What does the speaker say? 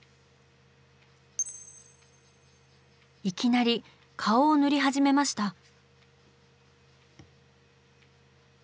いきなり顔を塗り始めました。